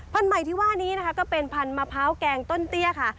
ใหม่ที่ว่านี้นะคะก็เป็นพันธุ์มะพร้าวแกงต้นเตี้ยค่ะ